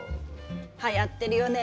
はやってるよね